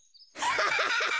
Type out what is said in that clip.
ハハハハ！